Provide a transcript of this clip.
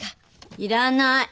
いらない。